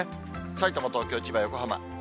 さいたま、東京、千葉、横浜。